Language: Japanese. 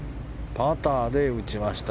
パターで打ちました。